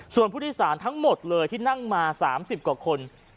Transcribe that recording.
ส่วนผู้โดยสารทั้งหมดเลยที่นั่งมา๓๐กว่าคน